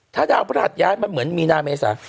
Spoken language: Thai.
ถ้าจะเอาปฏิหัสย้ายมันเหมือนมีนาเมษา